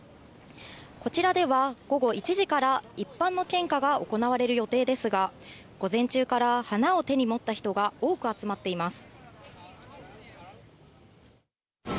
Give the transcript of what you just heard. こちらでは午後１時から一般の献花が行われる予定ですが、午前中から花を手に持った人が多く集まっています。